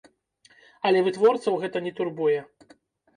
Але вытворцаў гэта не турбуе.